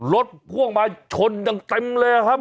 ลดกล้องมาชนกับเต็มเลยครับ